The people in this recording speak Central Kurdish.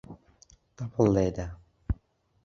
تەپڵ لێدە.